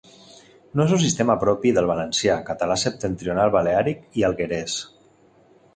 No és un sistema propi del valencià, català septentrional, baleàric i alguerès.